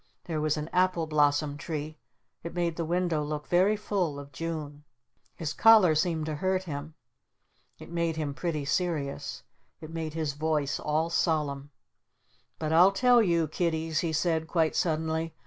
There was an apple blossom tree. It made the window look very full of June. His collar seemed to hurt him. It made him pretty serious. It made his voice all solemn. "But I'll tell you, Kiddies," he said quite suddenly.